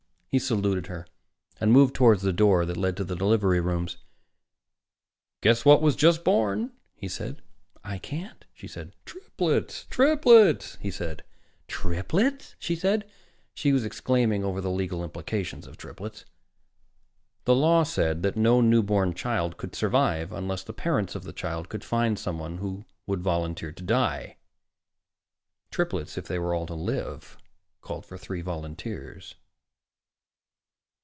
He saluted her and moved toward the door that led to the delivery rooms. "Guess what was just born," he said. "I can't," she said. "Triplets!" he said. "Triplets!" she said. She was exclaiming over the legal implications of triplets. The law said that no newborn child could survive unless the parents of the child could find someone who would volunteer to die. Triplets, if they were all to live, called for three volunteers.